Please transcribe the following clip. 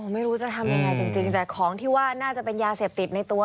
ไม่รู้จะทำยังไงจริงแต่ของที่ว่าน่าจะเป็นยาเสพติดในตัว